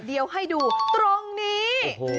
เดี๋ยวให้ดูตรงนี้